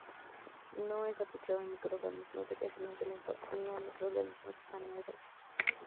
No es aplicable a microorganismos de crecimiento lento ni a microorganismos anaerobios.